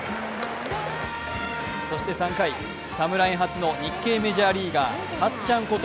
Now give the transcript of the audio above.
そして３回、侍初の日系メジャーリーガー、たっちゃんこと